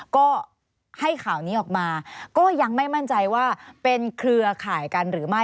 ก็ให้ข่าวนี้ออกมาก็ยังไม่มั่นใจว่าเป็นเครือข่ายกันหรือไม่